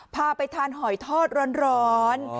พาไปทานหอยทอดร้อน